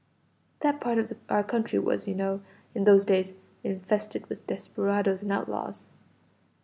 "That part of our country was, you know, in those days, infested with desperadoes and outlaws."